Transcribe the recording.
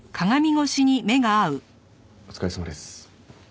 お疲れさまです。